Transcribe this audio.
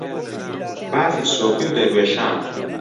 باسی سۆفی و دەروێشان